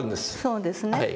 そうですね。